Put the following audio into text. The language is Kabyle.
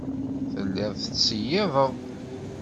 Telliḍ tettṣeyyideḍ.